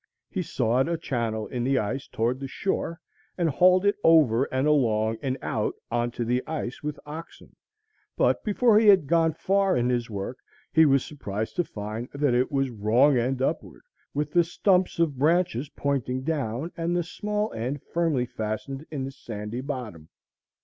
He sawed a channel in the ice toward the shore, and hauled it over and along and out on to the ice with oxen; but, before he had gone far in his work, he was surprised to find that it was wrong end upward, with the stumps of the branches pointing down, and the small end firmly fastened in the sandy bottom.